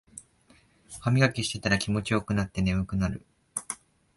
ハミガキしてたら気持ちよくなって眠くなる